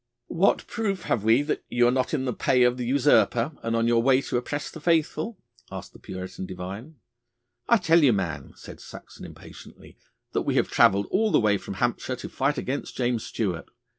'What proof have we that ye are not in the pay of the usurper, and on your way to oppress the faithful?' asked the Puritan divine. 'I tell you, man,' said Saxon impatiently, 'that we have travelled all the way from Hampshire to fight against James Stuart.